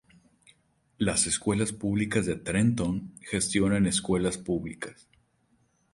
Las Escuelas Públicas de Trenton gestiona escuelas públicas.